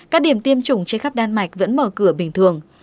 các điểm tiêm chủng trên khắp đan mạch vẫn mở cửa bình thường